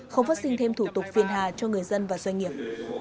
không phát sinh thêm thủ tục phiền hà cho người dân và doanh nghiệp